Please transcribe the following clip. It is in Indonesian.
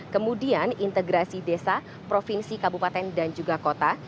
kemudian integrasi desa provinsi kabupaten dan juga kota